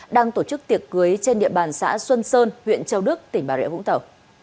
đang tổ chức tiệc cưới trên địa bàn xã xuân sơn huyện châu đức tỉnh bà rịa vũng tàu